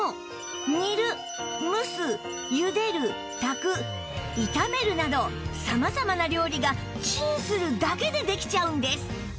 煮る蒸す茹でる炊く炒めるなど様々な料理がチンするだけでできちゃうんです！